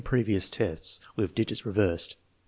previous tests with^digits reversed.